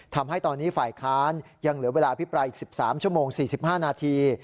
ทำให้ตอนนี้ฝ่ายค้านยังเหลือเวลาพิปรายอีก๑๓ชั่วโมง๔๕นาที